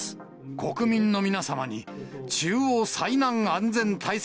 国民の皆様に中央災難安全対策